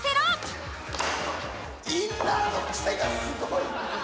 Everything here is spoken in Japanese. インナーのクセがすごい。